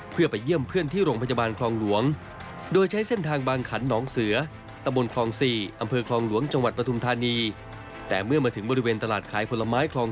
เพื่อไปเยี่ยมเพื่อนที่โรงพยาบาลคลองหลวง